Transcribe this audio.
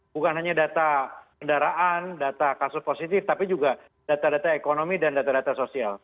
bukan hanya data kendaraan data kasus positif tapi juga data data ekonomi dan data data sosial